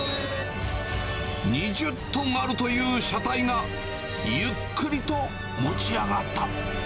２０トンあるという車体が、ゆっくりと持ち上がった。